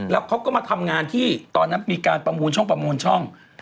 แล้วเขาก็มาทำงานที่ตอนนั้นมีการประมูลช่องประมูลช่อง